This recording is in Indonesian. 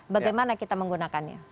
bagaimana kita menggunakannya